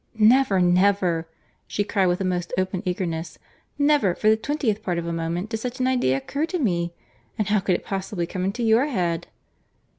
"Never, never!" she cried with a most open eagerness—"Never, for the twentieth part of a moment, did such an idea occur to me. And how could it possibly come into your head?"